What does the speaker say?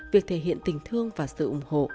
việc thể hiện tình thương và sự ủng hộ